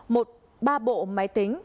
một ba bộ máy tính